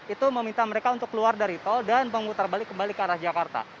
itu meminta mereka untuk keluar dari tol dan memutar balik kembali ke arah jakarta